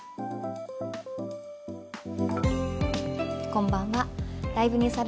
こんばんは。